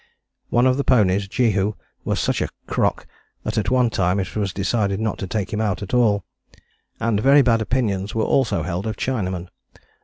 One of the ponies, Jehu, was such a crock that at one time it was decided not to take him out at all: and very bad opinions were also held of Chinaman.